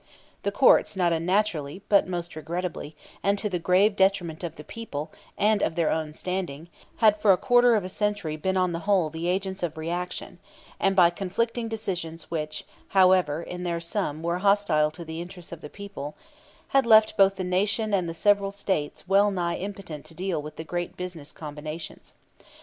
The courts, not unnaturally, but most regrettably, and to the grave detriment of the people and of their own standing, had for a quarter of a century been on the whole the agents of reaction, and by conflicting decisions which, however, in their sum were hostile to the interests of the people, had left both the nation and the several States well nigh impotent to deal with the great business combinations.